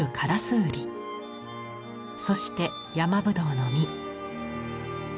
そして山ぶどうの実。